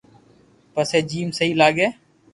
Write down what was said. پسو جيم سھي لاگي